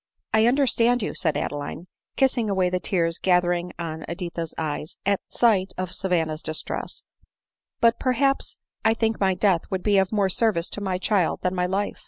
" I understand you," said Adeline, kissing away the tears gathering in Editha's eyes, at sight of Savanna's distress ; "but perhaps I think my death would be of more service to my child than my life."